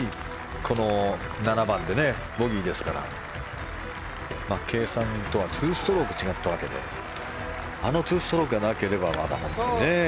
この７番でボギーですから計算とは２ストローク違ったわけであの２ストロークがなければまだ本当にね。